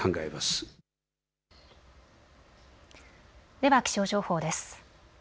では気象情報です。